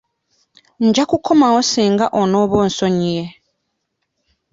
Nja kukomawo singa onaaba onsonyiye.